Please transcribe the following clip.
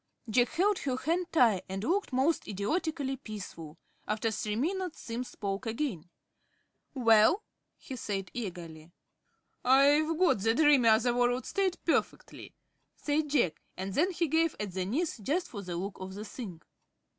Jack held her hand tight, and looked most idiotically peaceful. After three minutes Simms spoke again. "Well?" he said, eagerly. "I've got the dreamy, other world state perfectly," said Jack, and then he gave at the knees, just for the look of the thing.